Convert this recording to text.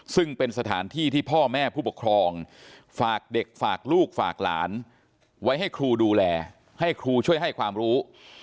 ซึ่งเป็นสถานที่ที่พ่อแม่ผู้ปกครองฝากเด็กฝากลูกฝากหลานไว้ให้ครูดูแลให้ครูช่วยให้ความรู้